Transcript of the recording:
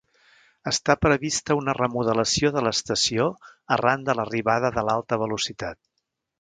Està prevista una remodelació de l'estació arran de l'arribada de l'alta velocitat.